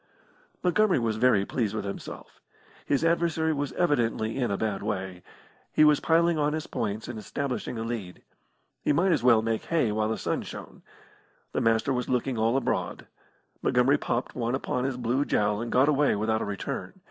Montgomery was very pleased with himself. His adversary was evidently in a bad way. He was piling on his points and establishing a lead. He might as well make hay while the sun shone. The Master was looking all abroad. Montgomery popped one upon his blue jowl and got away without a return.